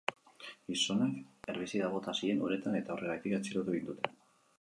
Gizonak herbizida bota zien uretan eta, horregatik, atxilotu egin dute.